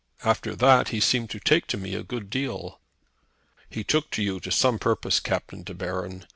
After that he seemed to take to me a good deal." "He took to you to some purpose, Captain De Baron.